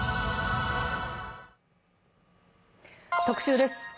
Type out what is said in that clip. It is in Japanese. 特集です。